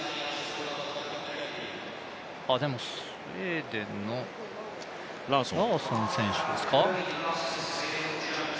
でも、スウェーデンのラーソン選手ですか。